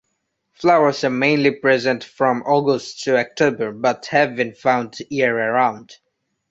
Flowers are mainly present from August to October but have been found year round.